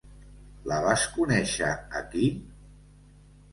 La vas conèixer aquí?